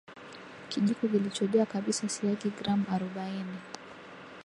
Kijiko kilichojaa kabisa siagi gram arobaini